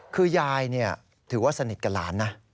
คือยายถือว่าสนิทกับหลานนะ